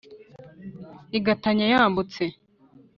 Rigatana yambutse.